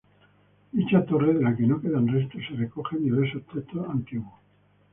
Dicha torre, de la que no quedan restos, se recoge en diversos textos antiguos.